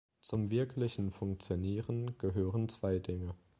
Zum wirklichen Funktionieren gehören zwei Dinge.